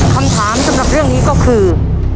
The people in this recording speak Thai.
คำถามสำหรับเรื่องนี้ก็คือ